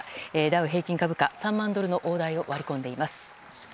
ダウ平均株価３万ドルの大台を割り込んでいます。